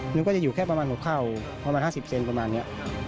หนึ่งก็จะอยู่แค่ประมาณ๖เท่าประมาณ๕๐เซนต์ประมาณนี้